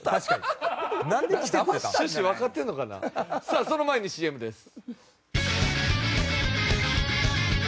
さあその前にＣＭです。